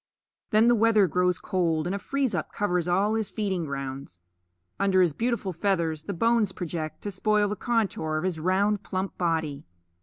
Then the weather grows cold, and a freeze up covers all his feeding grounds. Under his beautiful feathers the bones project to spoil the contour of his round plump body.